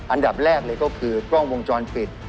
อันดับแรกเลยก็คือกล้องวงจรปิด